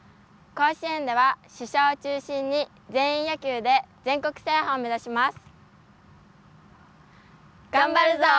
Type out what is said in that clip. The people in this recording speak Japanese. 甲子園では主将を中心に全員野球で全国制覇を頑張るぞー！